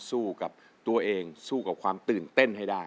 สู้กับตัวเองสู้กับความตื่นเต้นให้ได้